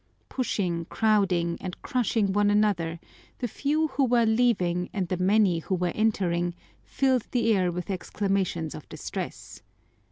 Pushing, crowding, and crushing one another, the few who were leaving and the many who were entering filled the air with exclamations of distress.